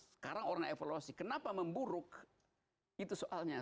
sekarang orangnya evolusi kenapa memburuk itu soalnya